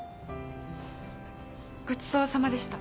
ごちそうさまでした。